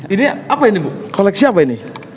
ini apa ini bu koleksi apa ini